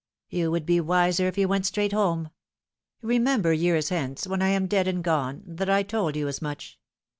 " You would be wiser if you went straight home. Remem ber, years hence, when I am dead and gone, that I told you as much.